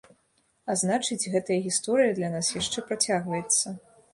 А значыць, гэтая гісторыя для нас яшчэ працягваецца.